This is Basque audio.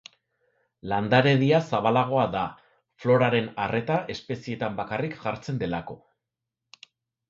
Landaredia zabalagoa da, floraren arreta espezieetan bakarrik jartzen delako.